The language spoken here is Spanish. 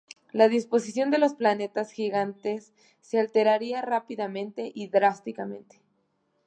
La disposición de los planetas gigantes se alteraría rápida y drásticamente.